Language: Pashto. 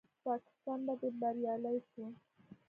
پاکستان په دې بریالی شو